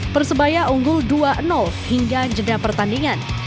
persebaya unggul dua hingga jeda pertandingan